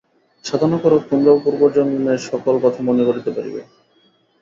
সাধনা কর, তোমরাও পূর্বজন্মের সকল কথা মনে করিতে পারিবে।